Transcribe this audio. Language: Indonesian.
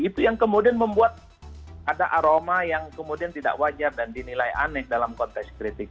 itu yang kemudian membuat ada aroma yang kemudian tidak wajar dan dinilai aneh dalam konteks kritik